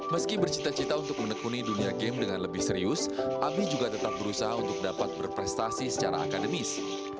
meski bercita cita untuk menekuni dunia game dengan lebih serius abi juga tetap berusaha untuk dapat berprestasi secara akademis